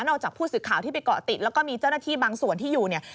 จากผู้สื่อข่าวที่ไปเกาะติดแล้วก็มีเจ้าหน้าที่บางส่วนที่อยู่เนี่ย